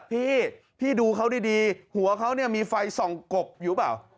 พี่พี่ดูเขาดีหัวเขามีไฟส่องกบอยู่หรือเปล่า